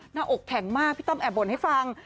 หน้าอกแข็งมากพี่ต้อมแอบบ่นให้ฟัง